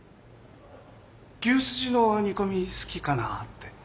牛すじの煮込み好きかなあって。